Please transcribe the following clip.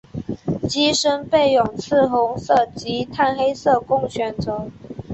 机身备有赤红色及碳黑色供选择。